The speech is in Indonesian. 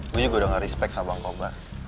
gue juga udah ngerespect sama pangkomer